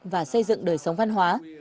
và xây dựng đời sống văn hóa